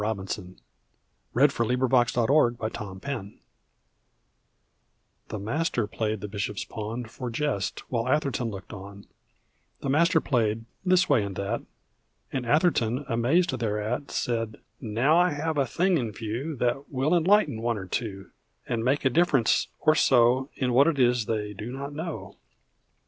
Doubt will have a dwelling there. J 1101 ATHERTON'S GAMBIT The master played the bishop's pawn, For jest, while Atherton looked on; The master played this way and that, And Atherton, amazed thereat, Said ''Now I have a thing in view That will enlighten one or two, And make a difference or so In what it is they do not know."